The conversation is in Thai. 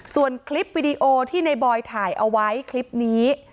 ส่วนคลิปวิดีโอที่ในบอยถ่ายเอาไว้คลิปนี้